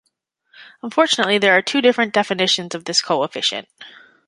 Unfortunately there are two different definitions of this coefficient.